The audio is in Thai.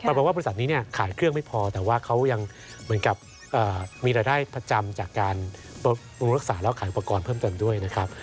บอกว่าบริษัทนี้เนี่ยขายเครื่องไม่พอแต่ว่าเขายังเหมือนกับมีรายได้ประจำจากการปรุงรักษาแล้วขายอุปกรณ์เพิ่มเติมด้วยนะครับ